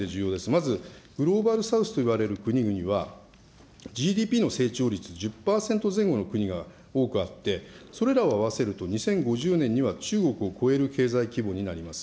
まずグローバル・サウスと呼ばれる国々は、ＧＤＰの成長率１０％前後の国が多くあって、それらを合わせると、２０５０年には中国を超える経済規模になります。